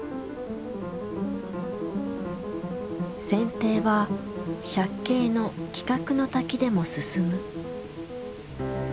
剪定は借景の亀鶴の滝でも進む。